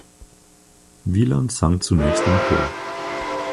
Wieland sang zunächst im Chor.